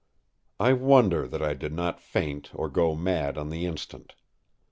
I wonder that I did not faint or go mad on the instant.